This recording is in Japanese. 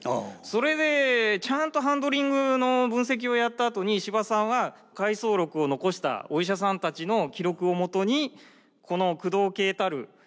それでちゃんとハンドリングの分析をやったあとに司馬さんは回想録を残したお医者さんたちの記録をもとにこの駆動系たる